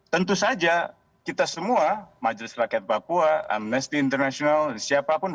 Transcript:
tentu saja kita semua majelis rakyat papua amnesty international siapapun